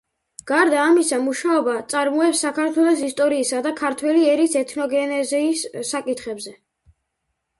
გარდა ამისა, მუშაობა წარმოებს საქართველოს ისტორიისა და ქართველი ერის ეთნოგენეზისის საკითხებზე.